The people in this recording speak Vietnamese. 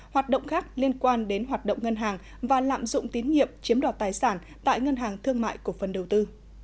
hoạt động khác liên quan đến hoạt động ngân hàng và lạm dụng tín nhiệm chiếm đoạt tài sản tại ngân hàng thương mại cổ phần đầu tư